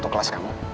satu kelas kamu